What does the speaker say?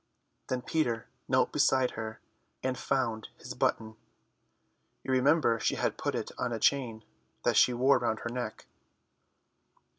Then Peter knelt beside her and found his button. You remember she had put it on a chain that she wore round her neck.